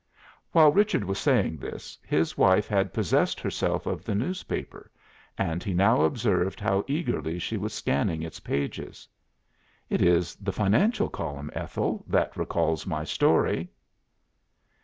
While Richard was saying this, his wife had possessed herself of the newspaper, and he now observed how eagerly she was scanning its pages. "It is the financial column, Ethel, that recalls my story."